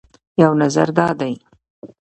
یو نظر دا دی